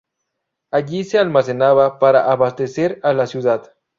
Allí se almacenaba para abastecer a la ciudad.